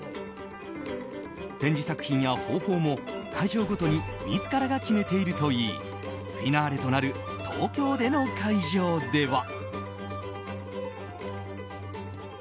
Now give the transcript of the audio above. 展示作品や方法も、会場ごとに自らが決めているといいフィナーレとなる東京での会場では。